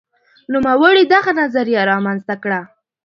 نوموړي دغه نظریه رامنځته کړه.